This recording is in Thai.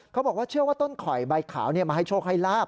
เขาบอกว่าเชื่อว่าต้นข่อยใบขาวมาให้โชคให้ลาบ